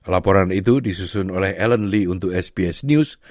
laporan itu disusun oleh alan lee untuk sbs news